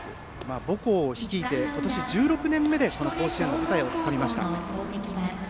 母校を率いて今年１６年目で甲子園の舞台をつかみました。